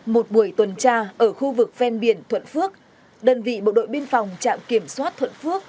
một buổi tuần tra ở khu vực ven biển thuận phước đơn vị bộ đội biên phòng trạm kiểm soát thuận phước